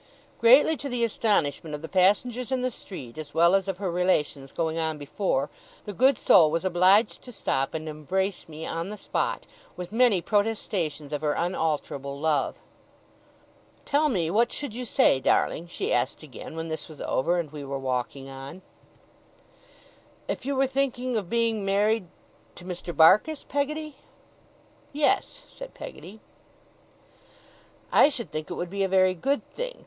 Greatly to the astonishment of the passengers in the street, as well as of her relations going on before, the good soul was obliged to stop and embrace me on the spot, with many protestations of her unalterable love. 'Tell me what should you say, darling?' she asked again, when this was over, and we were walking on. 'If you were thinking of being married to Mr. Barkis, Peggotty?' 'Yes,' said Peggotty. 'I should think it would be a very good thing.